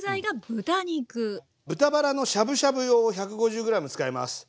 豚バラのしゃぶしゃぶ用を１５０ｇ使います。